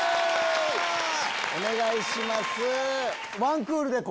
お願いします。